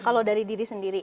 kalau dari diri sendiri